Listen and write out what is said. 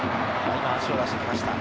今、足を出してきました。